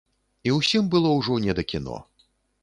І ўсім было ўжо не да кіно.